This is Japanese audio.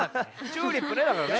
「チューリップ」ねだからね。